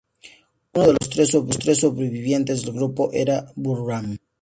Uno de los tres sobrevivientes del grupo era Burnham.